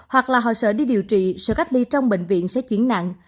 hoặc là họ sợ đi điều trị sở cách ly trong bệnh viện sẽ chuyển nặng